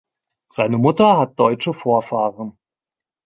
Seine Mutter hat deutsche Vorfahren.